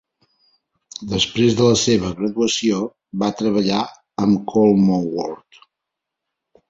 Després de la seva graduació, va treballar amb Kolmogorov.